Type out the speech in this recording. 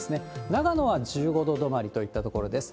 長野は１５度止まりといったところです。